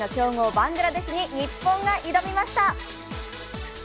バングラデシュに日本が挑みました。